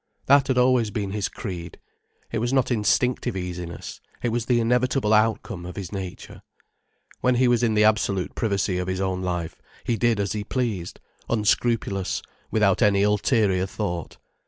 That had always been his creed. It was not instinctive easiness: it was the inevitable outcome of his nature. When he was in the absolute privacy of his own life, he did as he pleased, unscrupulous, without any ulterior thought.